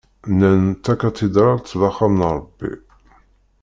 Nnan takadidralt d axxam n Rebbi.